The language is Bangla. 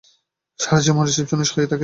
সারাজীবন রিসিপশনিস্ট হয়েই থাকতে চাও নাকি?